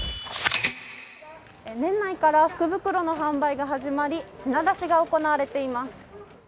年内から福袋の販売が始まり品出しが行われています。